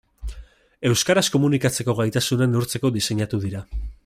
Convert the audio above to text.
Euskaraz komunikatzeko gaitasuna neurtzeko diseinatu dira.